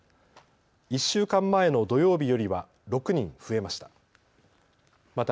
１週間前の土曜日よりは６人増えました。